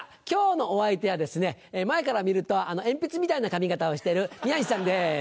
今日のお相手はですね前から見ると鉛筆みたいな髪形をしてる宮治さんです。